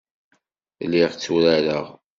Lliɣ tturareɣ.